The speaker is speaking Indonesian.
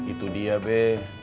itu dia be